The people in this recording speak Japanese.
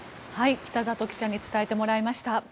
北里記者に伝えてもらいました。